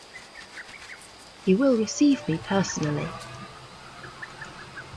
He will receive me personally.